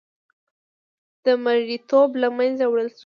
د مریې توب له منځه وړل وشو.